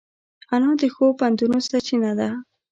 انا د ښو پندونو سرچینه ده